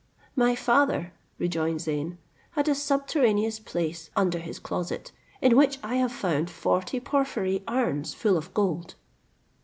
"My father," rejoined Zeyn, "had a subterraneous place under his closet, in which I have found forty porphyry urns full of gold."